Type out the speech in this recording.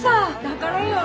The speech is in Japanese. だからよ。